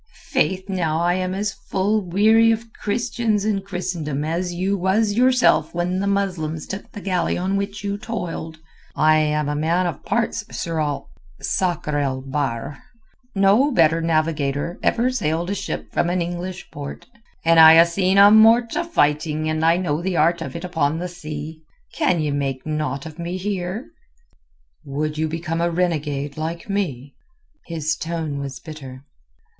"Faith now I am as full weary of Christians and Christendom as you was yourself when the Muslims took the galley on which you toiled. I am a man of parts, Sir Ol Sakr el Bahr. No better navigator ever sailed a ship from an English port, and I ha' seen a mort o' fighting and know the art of it upon the sea. Can ye make naught of me here?" "You would become a renegade like me?" His tone was bitter.